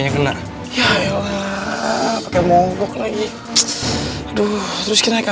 nggak boleh masuk